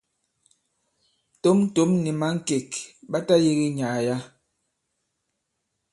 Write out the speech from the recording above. Tǒm-tǒm nì̀ mǎŋkèk ɓa tayēge nyàà yǎ.